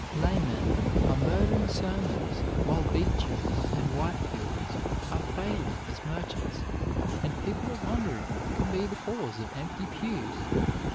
Laymen are murdering sermons while Beechers and Whitefields are failing as merchants, and people are wondering what can be the cause of empty pews.